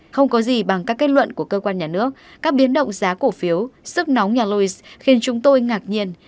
không có gì bằng các kết luận của cơ quan nhà nước các biến động giá cổ phiếu sức nóng nhà lôi khiến chúng tôi ngạc nhiên